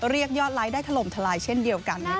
เรียกยอดประเทศได้ถล่มทรายเช่นเดียวกันนะคะ